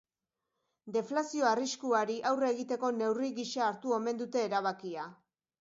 Deflazio arriskuari aurre egiteko neurri gisa hartu omen dute erabakia.